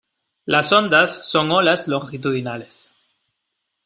las ondas son olas longitudinales.